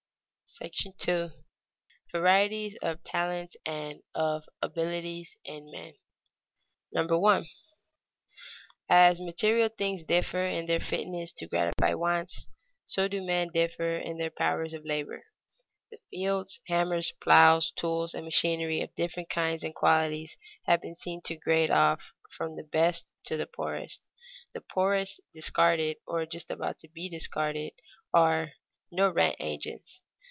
§ II. VARIETIES OF TALENTS AND OF ABILITIES IN MEN [Sidenote: Grades of labor are analogous to grades of wealth] 1. As material things differ in their fitness to gratify wants, so do men differ in their powers of labor. The fields, hammers, plows, tools, and machinery of different kinds and qualities have been seen to grade off from the best to the poorest. The poorest, discarded or just about to be discarded, are no rent agents.